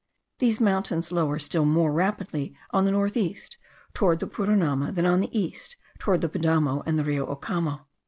These mountains lower still more rapidly on the north east, toward the Purunama, than on the east, toward the Padamo and the Rio Ocamo.